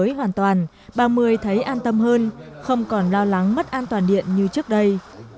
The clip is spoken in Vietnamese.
với sức khỏe hoàn toàn ba mươi thấy an tâm hơn không còn lo lắng mất an toàn điện như trước đây